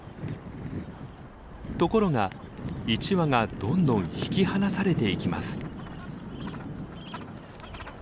ところが１羽がどんどん引き離されていきます。